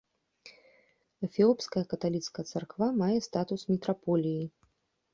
Эфіопская каталіцкая царква мае статус мітраполіі.